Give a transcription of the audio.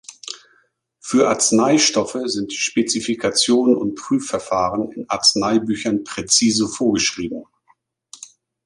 Für Arzneistoffe sind die Spezifikationen und Prüfverfahren in Arzneibüchern präzise vorgeschrieben.